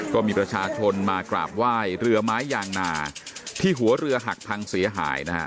ก็มีประชาชนมากราบไหว้เรือไม้ยางนาที่หัวเรือหักพังเสียหายนะฮะ